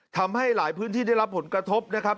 ทำให้หลายพื้นที่ได้รับผลกระทบนะครับ